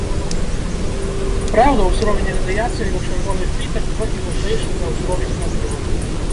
Праўда, узровень радыяцыі на чырвоных плітах трохі вышэйшы за ўзровень на белых.